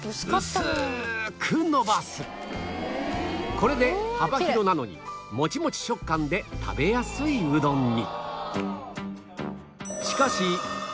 これで幅広なのにモチモチ食感で食べやすいうどんに